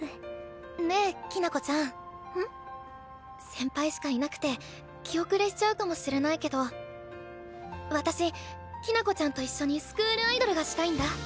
先輩しかいなくて気後れしちゃうかもしれないけど私きな子ちゃんと一緒にスクールアイドルがしたいんだ。